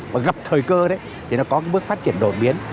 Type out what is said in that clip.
và gặp thời cơ đấy thì nó có một bước phát triển đổi biến